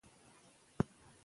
امانتداري درغلي کموي.